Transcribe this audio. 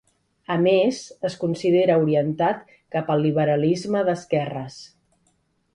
A més, es considera orientat cap al liberalisme d'esquerres.